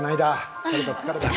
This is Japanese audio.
疲れた、疲れた。